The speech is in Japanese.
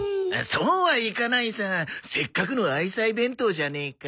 そうはいかないさせっかくの愛妻弁当じゃねえか。